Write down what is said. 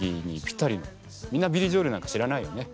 みんなビリー・ジョエルなんか知らないよね？